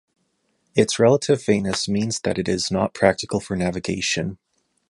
Its relative faintness means that it is not practical for navigation.